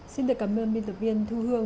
xin được cảm ơn biên tập viên thu hương